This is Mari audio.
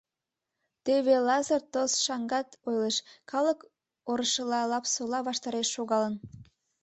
Теве Лазыр тос шаҥгат ойлыш, калык орышыла Лапсола ваштареш шогалын.